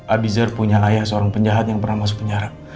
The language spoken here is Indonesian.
abizer punya ayah seorang penjahat yang pernah masuk penjara